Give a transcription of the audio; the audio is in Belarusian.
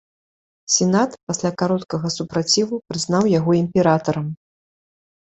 Сенат, пасля кароткага супраціву, прызнаў яго імператарам.